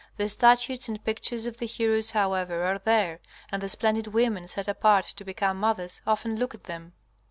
The statues and pictures of the heroes, however, are there, and the splendid women set apart to become mothers often look at them.